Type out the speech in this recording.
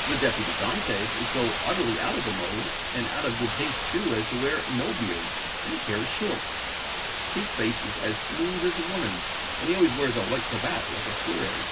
The Deputy Dantès is so utterly out of the mode, and out of good taste, too, as to wear no beard, and his hair is short. His face is as smooth as a woman's, and he always wears a white cravat like a curé."